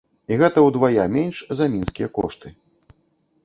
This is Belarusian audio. І гэта ўдвая менш за мінскія кошты.